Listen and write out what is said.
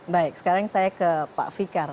baik sekarang saya ke pak fikar